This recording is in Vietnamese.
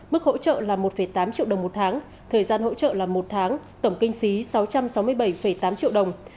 mức hỗ trợ là một tám triệu đồng một tháng thời gian hỗ trợ là một tháng tổng kinh phí sáu trăm sáu mươi bảy tám triệu đồng